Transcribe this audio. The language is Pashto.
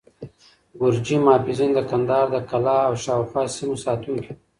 ګرجي محافظین د کندهار د قلعه او شاوخوا سیمو ساتونکي وو.